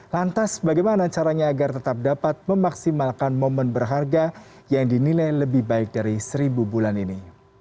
lantas bagaimana caranya agar tetap dapat memaksimalkan momen berharga yang dinilai lebih baik dari seribu bulan ini